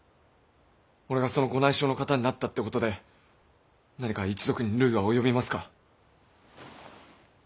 俺がそのご内証の方になったってことで何か一族に累は及びますか。